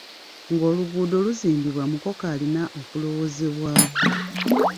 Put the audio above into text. Nga oluguudo luzimbibwa mukoka alina okulowoozebwako.